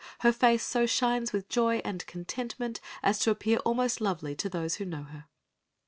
Her face so shines with joy and contentment as to appear almost lovely to those who know her.